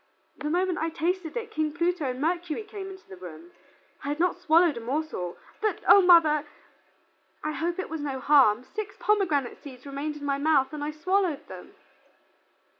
The moment I tasted it King Pluto and Mercury came into the room. I had not swallowed a morsel, but O mother! I hope it was no harm, six pomegranate seeds remained in my mouth and I swallowed them."